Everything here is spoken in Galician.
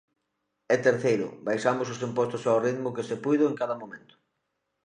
E, terceiro, baixamos os impostos ao ritmo que se puido en cada momento.